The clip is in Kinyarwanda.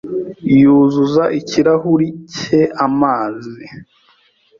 yuzuza ikirahuri cye amazi.